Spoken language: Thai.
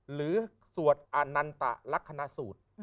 หรือสวดอานันตะลักษณะสูตร